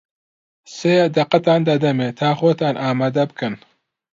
سی دەقەتان دەدەمێ تا خۆتان ئامادە بکەن.